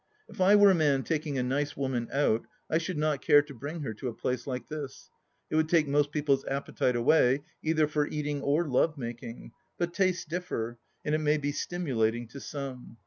If I were a man taking a nice woman out I should not care to bring her to a place like this ; it would take most people's appetite away, either for eating or lovemaking, but tastes differ, and it may be stimulating to some.